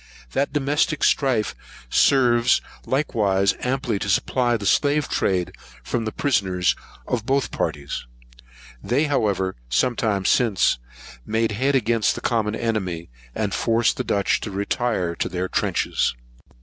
That domestic strife serves likewise amply to supply the slave trade from the prisoners of both parties. They, however, some time since, made head against the common enemy, and forced the Dutch to retire within their trenches.